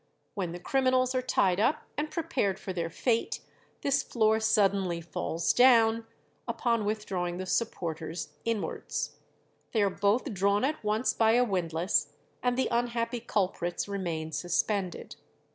When the criminals are tied up and prepared for their fate, this floor suddenly falls down, upon withdrawing the supporters inwards. They are both drawn at once by a windlass, and the unhappy culprits remain suspended."